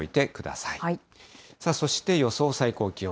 さあそして、予想最高気温。